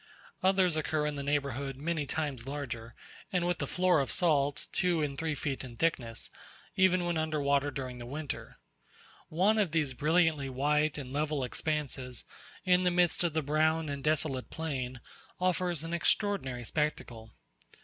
Others occur in the neighbourhood many times larger, and with a floor of salt, two and three feet in thickness, even when under water during the winter. One of these brilliantly white and level expanses in the midst of the brown and desolate plain, offers an extraordinary spectacle.